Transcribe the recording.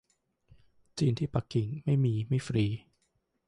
จีนที่ปักกิ่ง ไม่มี ไม่ฟรี